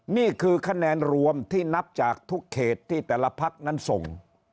นี่คือคะแนนรวมที่นับจากทุกเขตที่แต่ละพักนั้นส่ง